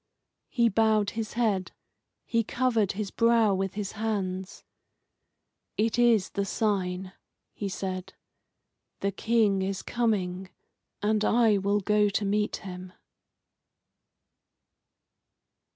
He bowed his head. He covered his brow with his hands. "It is the sign," he said. "The King is coming, and I will go to meet him."